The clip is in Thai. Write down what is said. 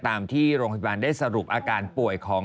ตามที่โรงพยาบาลได้สรุปอาการป่วยของ